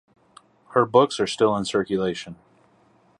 Her books are still in circulation.